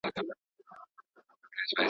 ښوونکی وویل چي صبر ضروري دی.